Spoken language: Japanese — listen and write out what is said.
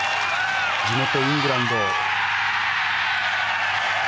地元イングランド。